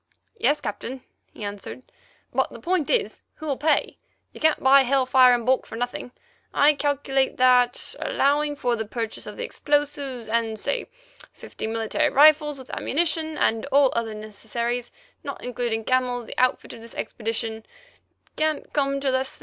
"Yes, Captain," he answered; "but the point is, who'll pay? You can't buy hell fire in bulk for nothing. I calculate that, allowing for the purchase of the explosives and, say, fifty military rifles with ammunition and all other necessaries, not including camels, the outfit of this expedition can't come to less than £1,500."